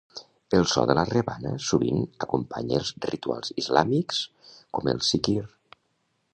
El so de la rebana sovint acompanya els rituals islàmics com el Zikir.